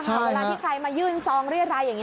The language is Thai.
เวลาที่ใครมายื่นซองเรียรายอย่างนี้